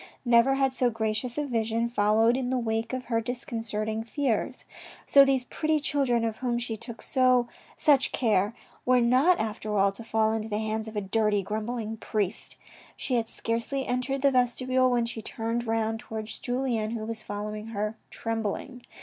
Never had so gracious a vision followed in the wake of her discon certing fears. So these pretty children of whom she took such care were not after all to fall into the hands of a dirty grumbl ing priest. She had scarcely entered the vestibule when she turned round towards Julien, who was following her trembling.